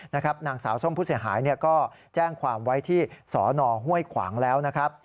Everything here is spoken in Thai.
นางสาวส้มผู้เสียหายก็แจ้งความไว้ที่สนห้วยขวางแล้วนะครับ